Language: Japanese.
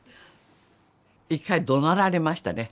一回どなられましたね